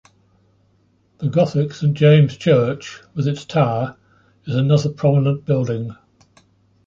The Gothic Saint James's Church, with its tower, is another prominent building.